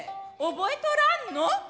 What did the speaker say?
覚えとらんの？